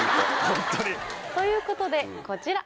ホントに。ということでこちら！